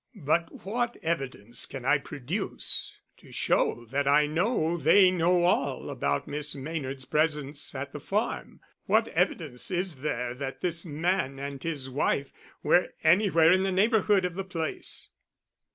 "But what evidence can I produce to show that I know they know all about Miss Maynard's presence at the farm? What evidence is there that this man and his wife were anywhere in the neighbourhood of the place?"